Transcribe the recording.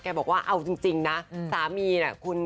บอกว่าเอาจริงนะสามีเนี่ยคุณ